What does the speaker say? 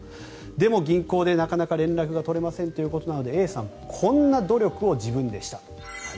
でも銀行でなかなか連絡が取れませんということなのでＡさんこんな努力を自分でした。